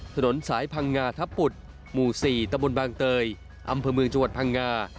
ถนนสายพังงาทับปุดหมู่๔ตะบนบางเตยอำเภอเมืองจังหวัดพังงา